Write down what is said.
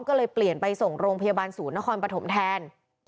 ก็เลยเปลี่ยนไปส่งโรงพยาบาลศูนย์นครปฐมแทน